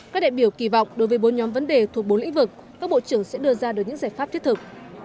các đại biểu kỳ vọng đối với bốn nhóm vấn đề thuộc bốn lĩnh vực các bộ trưởng sẽ đưa ra được những giải pháp thiết thực